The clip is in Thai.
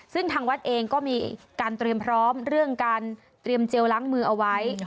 ซึ่งทางวัดเองก็มีการเตรียมพร้อมเรื่องการเตรียมเจลล้างมือเอาไว้